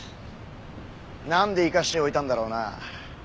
なんで生かしておいたんだろうな。